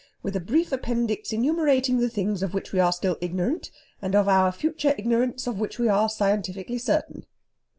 With a brief appendix enumerating the things of which we are still ignorant, and of our future ignorance of which we are scientifically certain